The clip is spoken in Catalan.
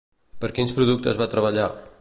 Per quins productes va treballar?